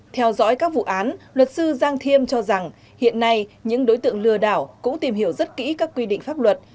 theo dõi các vụ án luật sư giang thiêm cho rằng hiện nay những đối tượng lừa đảo cũng tìm hiểu rất kỹ các quy định pháp luật